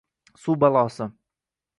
Suv balosi